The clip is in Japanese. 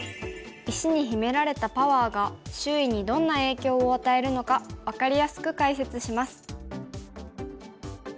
石に秘められたパワーが周囲にどんな影響を与えるのか分かりやすく解説します。